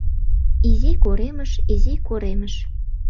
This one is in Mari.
Изи коремыш, изи коремыш...